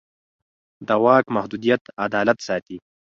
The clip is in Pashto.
د واک محدودیت عدالت ساتي